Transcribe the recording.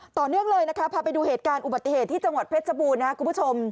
ต่อเนื่องเลยนะคะพาไปดูเหตุการณ์อุบัติเหตุที่จังหวัดเพชรบูรณ์นะครับคุณผู้ชม